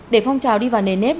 để phong trào đi vào nền nếp